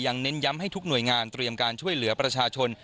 เน้นย้ำให้ทุกหน่วยงานเตรียมการช่วยเหลือประชาชน